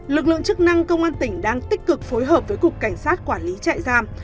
lực lượng chức năng công an tỉnh đang tích cực phối hợp với cục cảnh sát quản lý trại giam